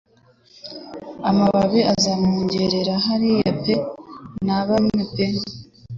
Amababi azamwongorera hariya pe na bamwe pe